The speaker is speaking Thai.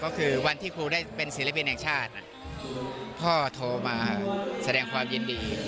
ก็คือวันที่ครูได้เป็นศิลปินแห่งชาติพ่อโทรมาแสดงความยินดี